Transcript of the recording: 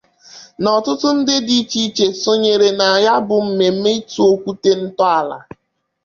na ọtụtụ ndị dị iche iche sonyere na ya bụ mmemme ịtọ okwute ntọala